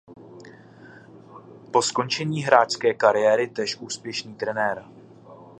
Po skončení hráčské kariéry též úspěšný trenér.